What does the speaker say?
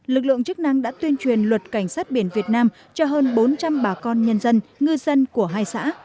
lực lượng chức năng đã tuyên truyền luật cảnh sát biển việt nam cho hơn bốn trăm linh bà con nhân dân ngư dân của hai xã